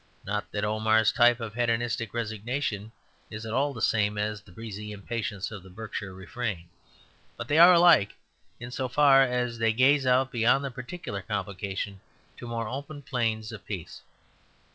Not that Omar's type of hedonistic resignation is at all the same as the breezy impatience of the Berkshire refrain; but they are alike in so far as they gaze out beyond the particular complication to more open plains of peace.